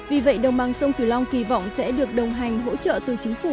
vì vậy đồng bằng sông kiều long kỳ vọng sẽ được đồng hành hỗ trợ từ chính phủ